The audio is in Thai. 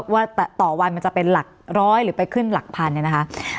ว่าต่อวันมันจะเป็นหลักร้อยหรือไปขึ้นหลักพันเนี่ยนะคะ